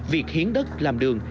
việc hiến đất làm đường